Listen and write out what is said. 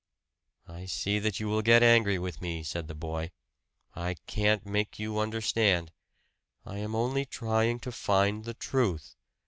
"I see that you will get angry with me," said the boy, "I can't make you understand I am only trying to find the truth.